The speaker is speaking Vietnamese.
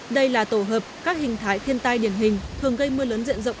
đây là tổ hợp các hình thái thiên tai điển hình thường gây mưa lớn diện rộng